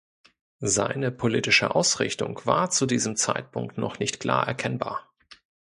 Seine politische Ausrichtung war zu diesem Zeitpunkt noch nicht klar erkennbar.